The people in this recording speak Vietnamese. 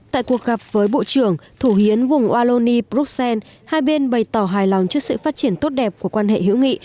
tại cuộc gặp với bộ trưởng thủ hiến vùng wallonie bruxelles hai bên bày tỏ hài lòng trước sự phát triển tốt đẹp của quan hệ hữu nghị